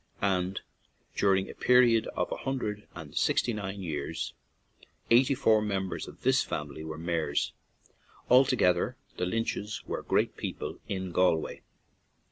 and, during a period of a hundred and sixty nine years, eighty four mem bers of this family were mayors; alto gether the Lynches were great people in Galway.